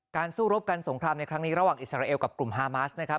สู้รบกันสงครามในครั้งนี้ระหว่างอิสราเอลกับกลุ่มฮามาสนะครับ